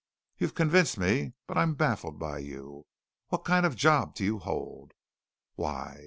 "You've convinced me! But I'm baffled by you. What kind of job do you hold?" "Why?"